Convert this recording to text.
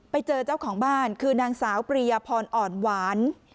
ไปเจอเจ้าของบ้านคือนางสาวปริยพรอ่อนหวาน